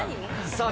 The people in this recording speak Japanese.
さあ